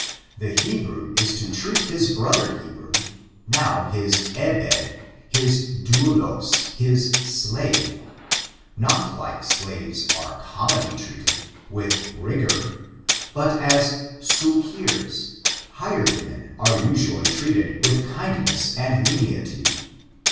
The Hebrew is to treat his brother Hebrew, now his Ebed—hw dotiht — ^his slavo— not like slaves are commonly treated, mtk rigoTf but as saukeer* — ^hired men are usually treated, with kindness and lenity.